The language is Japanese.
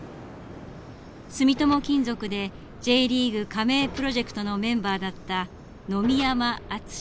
住友金属でＪリーグ加盟プロジェクトのメンバーだった野見山篤。